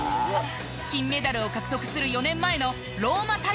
金メダルを獲得する４年前のローマ大会。